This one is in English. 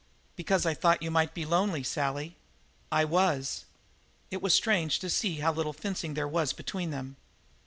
"Because I thought you might be lonely, Sally." "I was." It was strange to see how little fencing there was between them.